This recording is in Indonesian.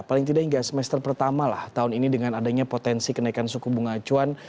paling tidak hingga semester pertama lah tahun ini dengan adanya potensi kenaikan suku bunga acuan